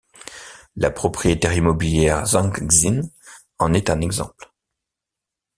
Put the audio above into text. La propriétaire immobilière Zhang Xin en est un exemple.